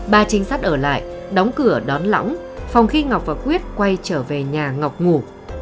ba trinh sát ở lại đóng cửa đón lõng phòng khi ngọc và quyết quay trở về nhà ngọc ngủ